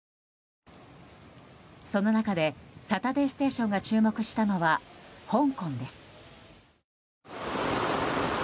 その中で「サタデーステーション」が注目したのは香港です。